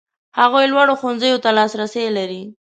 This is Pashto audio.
هغوی لوړو ښوونځیو ته لاسرسی لري.